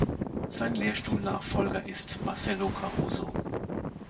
Sein Lehrstuhlnachfolger ist Marcelo Caruso.